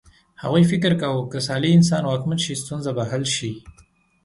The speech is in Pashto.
هغوی فکر کاوه که صالح انسان واکمن شي ستونزه به حل شي.